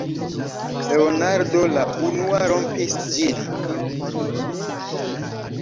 Leonardo la unua rompis ĝin: